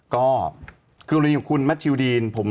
ก็คือเรื่องของคุณแมทชิลดีน